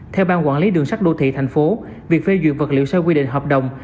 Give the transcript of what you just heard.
theo ban quản lý đường sắt đô thị thành phố việc phê duyệt vật liệu xây quy định hợp đồng